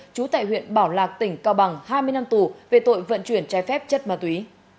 trú tại huyện bảo lạc tỉnh cao bằng hai mươi năm tù về tội vận chuyển trái phép chất ma túy